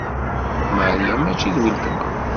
Maria mačči d wultma.